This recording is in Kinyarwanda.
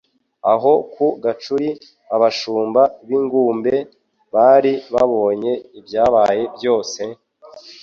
Aho ku gacuri, abashumba b'inguntbe bari babonye ibyabaye byose,